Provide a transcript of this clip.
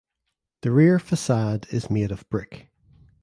The rear facade is made of brick.